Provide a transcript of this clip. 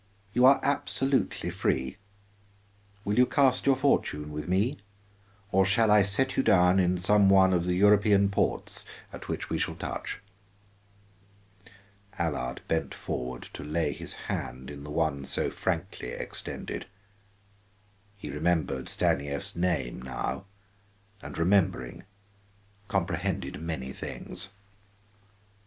You are absolutely free; will you cast your fortune with me, or shall I set you down in some one of the European ports at which we shall touch?" Allard bent forward to lay his hand in the one so frankly extended. He remembered Stanief's name now, and remembering, comprehended many things.